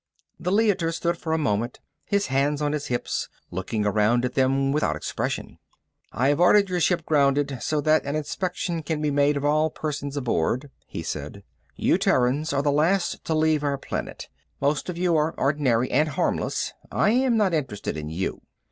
The Leiter stood for a moment, his hands on his hips, looking around at them without expression. "I have ordered your ship grounded so that an inspection can be made of all persons aboard," he said. "You Terrans are the last to leave our planet. Most of you are ordinary and harmless I am not interested in you.